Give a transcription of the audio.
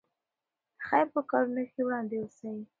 د خیر په کارونو کې وړاندې اوسئ.